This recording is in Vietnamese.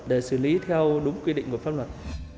để xử lý theo đúng quy định của pháp luật